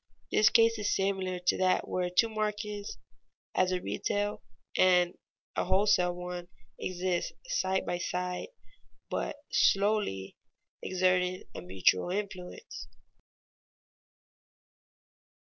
This case is similar to that where two markets, as a retail and a wholesale one, exist side by side, but slowly exerting a mutual influence.